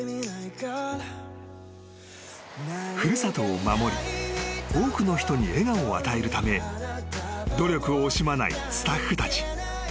［古里を守り多くの人に笑顔を与えるため努力を惜しまないスタッフたち］